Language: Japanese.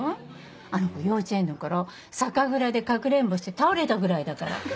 あの子幼稚園の頃酒蔵で隠れんぼして倒れたぐらいだから。